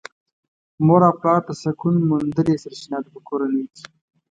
مور او پلار د سکون موندلې سرچينه ده په کورنۍ کې .